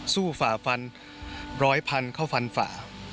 ฝ่าฟันร้อยพันเข้าฟันฝ่า